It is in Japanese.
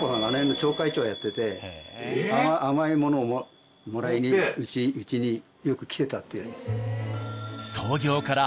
町会長やってて甘いものをもらいにうちによく来てたって。